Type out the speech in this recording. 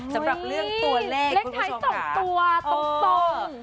สำหรับเรื่องตัวเลขคุณผู้ชมค่ะเลขไทส์๒ตัวตรง